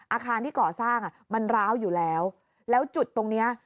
อาคารที่ก่อสร้างอ่ะมันร้าวอยู่แล้วแล้วจุดตรงเนี้ย